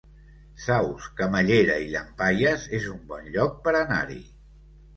Saus, Camallera i Llampaies es un bon lloc per anar-hi